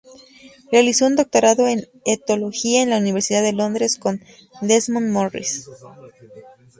Realizó un doctorado en etología en la Universidad de Londres, con Desmond Morris.